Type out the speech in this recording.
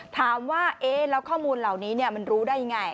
ถามว่าเอ๊ะแล้วข้อมูลเหล่านี้มันรู้ได้ยังไง